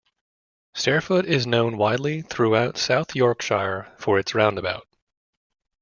Stairfoot is known widely throughout South Yorkshire for its roundabout.